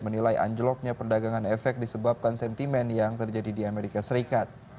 menilai anjloknya perdagangan efek disebabkan sentimen yang terjadi di amerika serikat